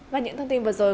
và những thông tin vừa rồi